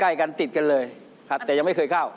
ใกล้กันติดกันเลยครับแต่ยังไม่เคยเข้า